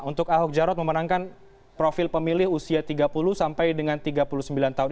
untuk ahok jarot memenangkan profil pemilih usia tiga puluh sampai dengan tiga puluh sembilan tahun